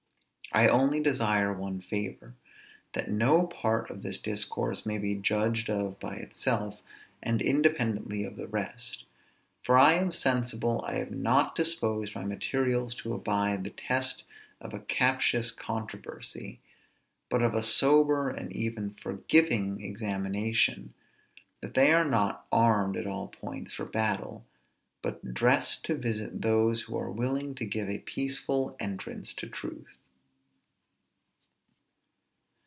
I only desire one favor, that no part of this discourse may be judged of by itself, and independently of the rest; for I am sensible I have not disposed my materials to abide the test of a captious controversy, but of a sober and even forgiving examination; that they are not armed at all points for battle, but dressed to visit those who are willing to give a peaceful entrance to truth.